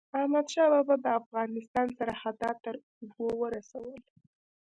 احمدشاه بابا د افغانستان سرحدات تر اوبو ورسول.